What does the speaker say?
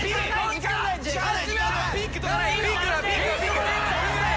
時間ない。